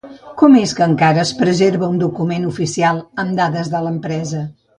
Com és que encara es preserva un document oficial amb dades de l'empresa?